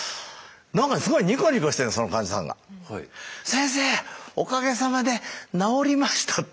「先生おかげさまで治りました」って言うの。